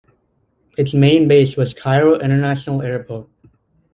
Its main base was Cairo International Airport.